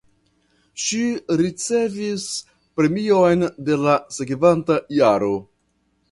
Ŝi ricevis premion en la sekvanta jaro.